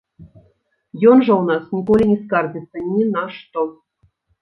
Ён жа ў нас ніколі не скардзіцца ні на што.